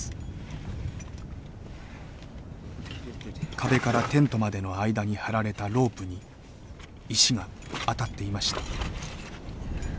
壁からテントまでの間に張られたロープに石が当たっていました。